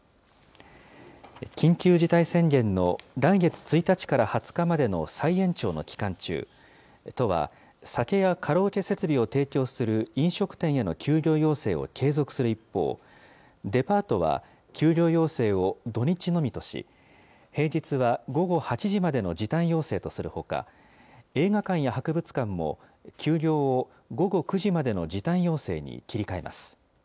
緊急事態宣言の来月１日から２０日までの再延長の期間中、都は、酒やカラオケ設備を提供する飲食店への休業要請を継続する一方、デパートは休業要請を土日のみとし、平日は午後８時までの時短要請とするほか、映画館や博物館も、休業を午後９時までの時短要請に切り替えます。